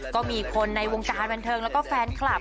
ก็มีคนในวงการบันเทิงแล้วก็แฟนคลับ